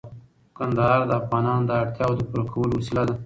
کندهار د افغانانو د اړتیاوو د پوره کولو وسیله ده.